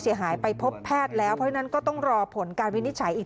เสียหายไปพบแพทย์แล้วเพราะฉะนั้นก็ต้องรอผลการวินิจฉัยอีก